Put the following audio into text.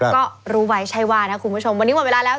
ก็รู้ไว้ใช่ว่านะคุณผู้ชมวันนี้หมดเวลาแล้ว